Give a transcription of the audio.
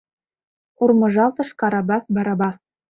— урмыжалтыш Карабас Барабас.